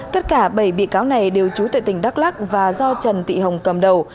tất cả bảy bị cáo này đều trú tại tỉnh đắk lắc và do trần thị hồng cầm đầu